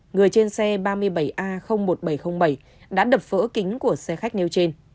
người trên xe ba mươi bảy a một nghìn bảy trăm linh bảy đã đập vỡ kính của xe khách nêu trên